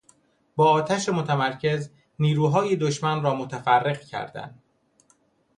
با آتش متمرکز نیروهای دشمن را متفرق کردن